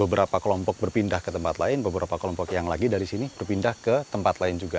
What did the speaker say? beberapa kelompok berpindah ke tempat lain beberapa kelompok yang lagi dari sini berpindah ke tempat lain juga